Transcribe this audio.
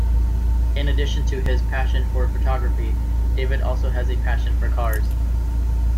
In addition to his passion for photography, David also has a passion for cars.